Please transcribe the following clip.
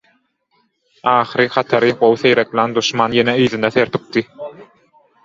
Ahyry hatary gowy seýreklän duşman ýene yzyna serpikdi.